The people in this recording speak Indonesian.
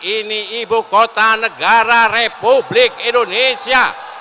ini ibu kota negara republik indonesia